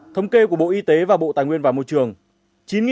thống kê của bộ y tế và bộ tài nguyên và môi trường